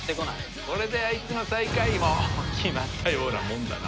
これであいつの最下位も決まったようなもんだな。